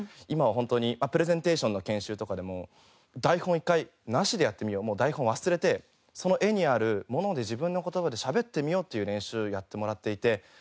今は本当にプレゼンテーションの研修とかでも台本一回なしでやってみようもう台本忘れてその画にあるもので自分の言葉でしゃべってみようっていう練習やってもらっていて。